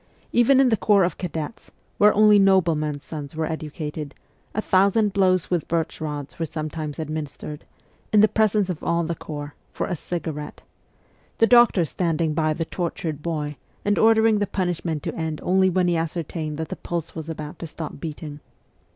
Even in the corps of cadets, where only noblemen's sons were educated, a thousand blows with birch rods were sometimes administered, in the presence of all the corps, for a cigarette the doctor standing by the tortured boy, and ordering the punishment to end only when he ascertained that the pulse was about to stop beating.